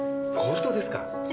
本当ですか？